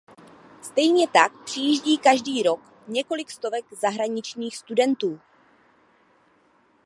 Stejně tak přijíždí každý rok několik stovek zahraničních studentů.